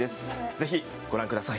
ぜひご覧ください。